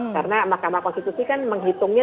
karena mahkamah konstitusi kan menghitungnya